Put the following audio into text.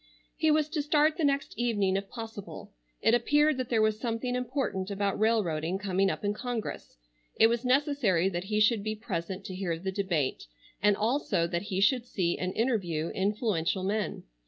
He was to start the next evening if possible. It appeared that there was something important about railroading coming up in Congress. It was necessary that he should be present to hear the debate, and also that he should see and interview influential men.